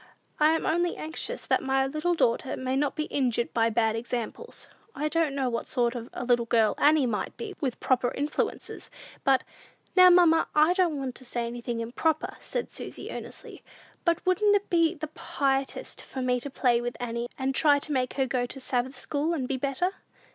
I am only anxious that my little daughter may not be injured by bad examples. I don't know what sort of a little girl Annie might be with proper influences, but " "Now, mamma, I don't want to say anything improper," said Susy, earnestly; "but wouldn't it be the piousest for me to play with Annie, and try to make her go to Sabbath school, and be better?"